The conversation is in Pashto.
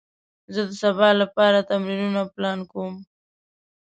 زه د سبا لپاره تمرینونه پلان کوم.